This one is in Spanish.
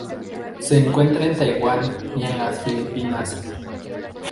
Se encuentra en Taiwán y en las Filipinas.